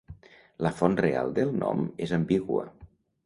La font real del nom és ambigua.